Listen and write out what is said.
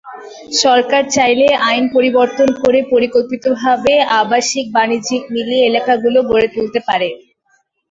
সরকার চাইলে আইন পরিবর্তন করে পরিকল্পিতভাবে আবাসিক-বাণিজ্যিক মিলিয়ে এলাকাগুলো গড়ে তুলতে পারে।